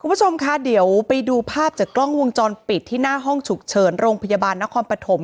คุณผู้ชมคะเดี๋ยวไปดูภาพจากกล้องวงจรปิดที่หน้าห้องฉุกเฉินโรงพยาบาลนครปฐม